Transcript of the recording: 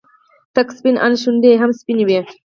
تک سپين ان شونډې يې هم سپينې وې.